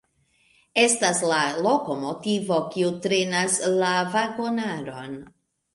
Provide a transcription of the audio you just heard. Estas la lokomotivo, kiu trenas la vagonaron.